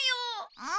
うん。